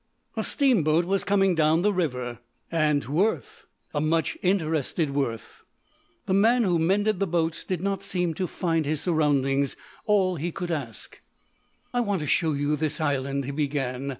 A steamboat was coming down the river. And Worth! a much interested Worth. The man who mended the boats did not seem to find his surroundings all he could ask. "I want to show you this island," he began.